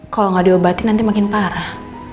kalau nggak diobatin nanti makin parah